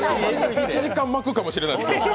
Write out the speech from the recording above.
１時間巻くかもしれないです